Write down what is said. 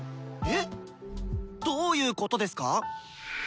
え⁉どういうことですか？